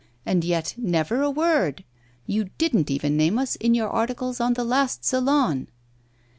And yet, never a word! You didn't even name us in your articles on the last Salon.